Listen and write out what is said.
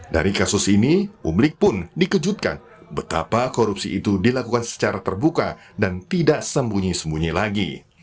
dari kasus ini publik pun dikejutkan betapa korupsi itu dilakukan secara terbuka dan tidak sembunyi sembunyi lagi